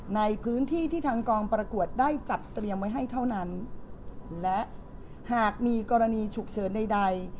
ในพื้นที่ที่ทางกองประกวดได้จัดเตรียมไว้ให้เท่านั้นและหากมีกรณีฉุกเฉินใด